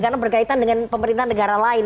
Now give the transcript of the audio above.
karena berkaitan dengan pemerintahan negara lain